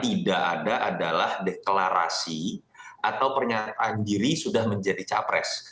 tidak ada adalah deklarasi atau pernyataan diri sudah menjadi capres